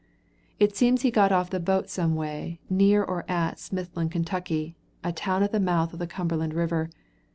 It seems he got off the boat some way, near or at Smithland, Ky., a town at the mouth of the Cumberland River.